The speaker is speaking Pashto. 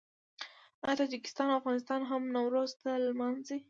آیا تاجکستان او افغانستان هم نوروز نه لمانځي؟